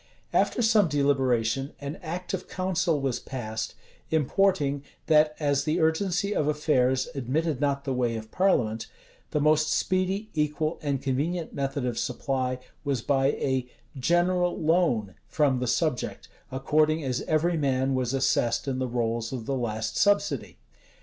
After some deliberation, an act of council was passed, importing, that as the urgency of affairs admitted not the way of parliament, the most speedy, equal, and convenient method of supply was by a "general loan" from the subject, according as every man was assessed in the rolls of the last subsidy.